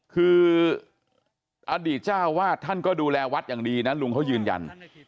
คืออดีตเจ้าวาดท่านก็ดูแลวัดอย่างดีนะลุงเขายืนยัน